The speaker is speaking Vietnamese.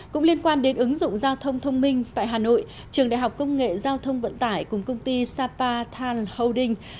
cũng liên quan đến ứng dụng giao thông thông minh tại hà nội trường đại học công nghệ giao thông vận tải cùng công ty sapa tan holding